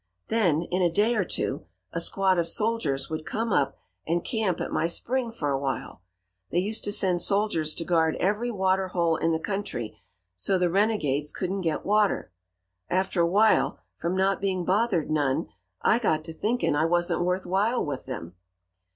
Then, in a day or two, a squad of soldiers would come up and camp at my spring for a while. They used to send soldiers to guard every water hole in the country so the renegades couldn't get water. After a while, from not being bothered none, I got to thinking I wasn't worth while with them.